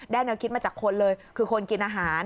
แนวคิดมาจากคนเลยคือคนกินอาหาร